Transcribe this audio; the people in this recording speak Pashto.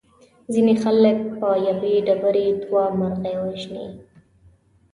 ځینې خلک په یوې ډبرې دوه مرغۍ وژني.